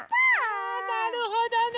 あなるほどね。